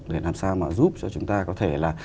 để làm sao mà giúp cho chúng ta có thể là